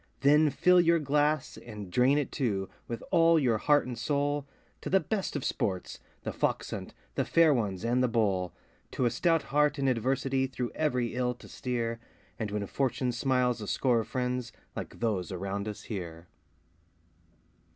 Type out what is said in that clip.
Then fill your glass, and drain it, too, with all your heart and soul, To the best of sports The Fox hunt, The Fair Ones, and The Bowl, To a stout heart in adversity through every ill to steer, And when Fortune smiles a score of friends like those around us here.